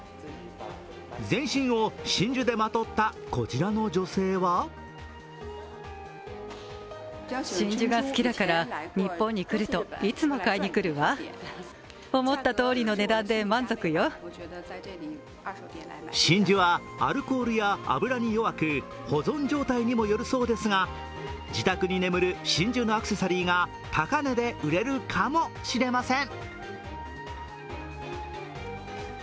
全身を真珠でまとったこちらの女性は真珠はアルコールや脂に弱く、保存状態にもよるそうですが自宅に眠る真珠のアクセサリーが高値で売れるかもしれません。